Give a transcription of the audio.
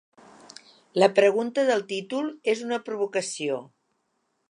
La pregunta del títol és una provocació.